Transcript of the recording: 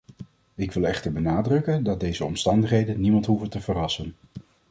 Ik wil echter benadrukken dat deze omstandigheden niemand hoeven te verrassen.